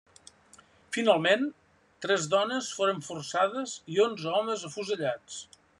Finalment tres dones foren forcades i onze homes afusellats.